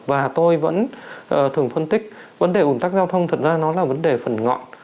và tôi vẫn thường phân tích vấn đề ủn tắc giao thông thật ra nó là vấn đề phần ngọn